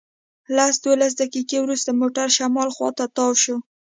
لس دولس دقیقې وروسته موټر شمال خواته تاو شو.